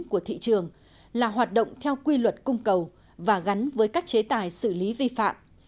của thị trường là hoạt động theo quy luật cung cầu và gắn với các chế tài xử lý vi phạm